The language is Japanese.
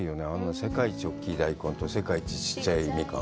世界一大きい大根と、世界一ちっちゃいみかん。